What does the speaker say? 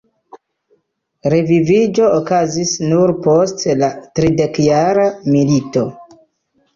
Reviviĝo okazis nur post la tridekjara milito.